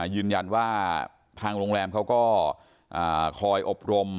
ยืนยันว่าทางโรงแรมเขาก็คอยอบรม